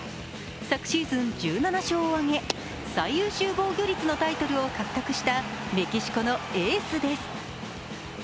昨シーズン１７勝を挙げ、最優秀防御率のタイトルを獲得したメキシコのエースです。